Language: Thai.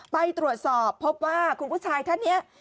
ไปตรวจสอบพบว่าคุณผู้ชายท่านนี้